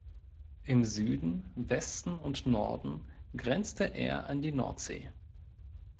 Im Süden, Westen und Norden grenzte er an die Nordsee.